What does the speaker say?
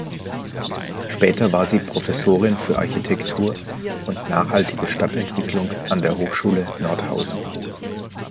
Später war sie Professorin für Architektur und nachhaltige Stadtentwicklung an der Hochschule Nordhausen.